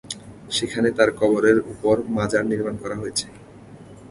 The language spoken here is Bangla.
সেখানে তার কবরের উপর মাজার নির্মাণ করা হয়েছে।